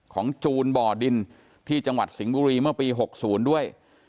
จูนบ่อดินที่จังหวัดสิงห์บุรีเมื่อปี๖๐ด้วย